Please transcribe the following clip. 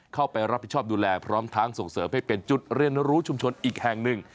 เข้าไปรับผิดชอบดูแลพร้อมทั้งส่งเสริมให้เป็นจุดเรียนรู้ชุมชนอีกแห่งหนึ่ง